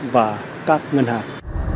và các ngân hàng